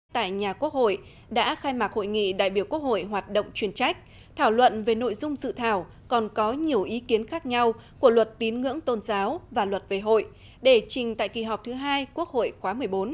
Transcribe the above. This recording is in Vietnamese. tại nhà quốc hội đã khai mạc hội nghị đại biểu quốc hội hoạt động chuyên trách thảo luận về nội dung dự thảo còn có nhiều ý kiến khác nhau của luật tín ngưỡng tôn giáo và luật về hội để trình tại kỳ họp thứ hai quốc hội khóa một mươi bốn